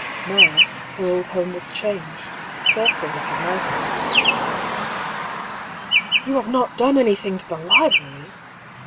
Now, her old home was changed, scarcely recognisable. "You have not done anything to the library?"